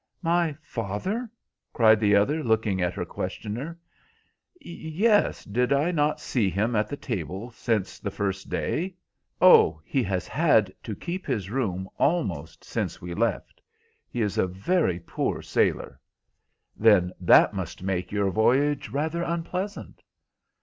"My father?" cried the other, looking at her questioner. "Yes, I did not see him at the table since the first day." "Oh, he has had to keep his room almost since we left. He is a very poor sailor." "Then that must make your voyage rather unpleasant?"